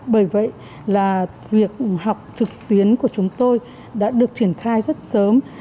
bởi vậy là việc học trực tuyến của chúng tôi đã được triển khai rất sớm